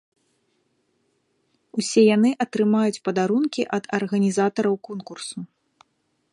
Усе яны атрымаюць падарункі ад арганізатараў конкурсу.